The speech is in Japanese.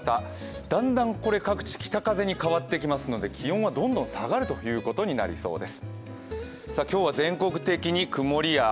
だんだん各地、北風に変わってきますので気温はどんどん下がることになりそうです。